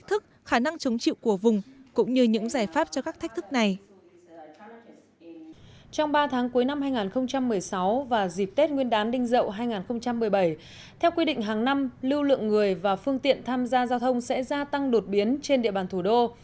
trong ba tháng cuối năm hai nghìn một mươi sáu và dịp tết nguyên đán đinh dậu hai nghìn một mươi bảy theo quy định hàng năm lưu lượng người và phương tiện tham gia giao thông sẽ gia tăng đột biến trên địa bàn thủ đô